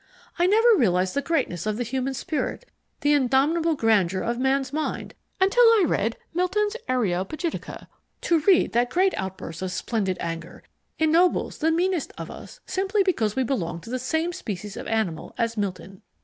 I never realized the greatness of the human spirit, the indomitable grandeur of man's mind, until I read Milton's Areopagitica. To read that great outburst of splendid anger ennobles the meanest of us simply because we belong to the same species of animal as Milton.